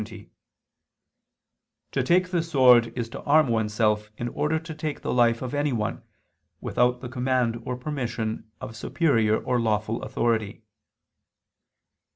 xxii, 70): "To take the sword is to arm oneself in order to take the life of anyone, without the command or permission of superior or lawful authority."